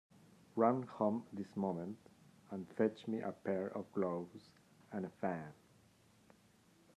Run home this moment, and fetch me a pair of gloves and a fan!